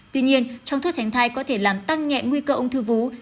tuy nhiên trong thuốc tránh thai có thể làm tăng nhẹ nguy cơ ung thư vú